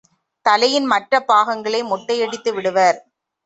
தலையின் மற்ற பாகங்களை மொட்டையடித்து விடுவர்.